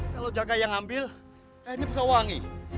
kalau jaka yang ambil airnya bisa wangi